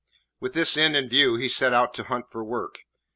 With this end in view he set out to hunt for work.